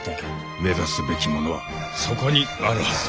目指すべきものはそこにあるはずだ。